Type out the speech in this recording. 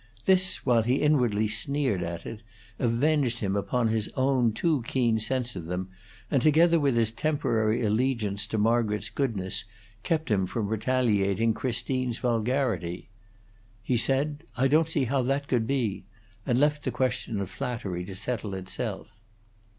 This, while he inwardly sneered at it, avenged him upon his own too keen sense of them, and, together with his temporary allegiance to Margaret's goodness, kept him from retaliating Christine's vulgarity. He said, "I don't see how that could be," and left the question of flattery to settle itself.